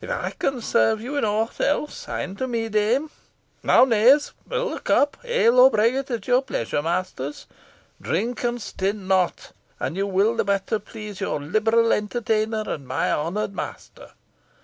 "If I can serve you in aught else, sign to me, dame. Now, knaves, fill the cups ale or bragget, at your pleasure, masters. Drink and stint not, and you will the better please your liberal entertainer and my honoured master."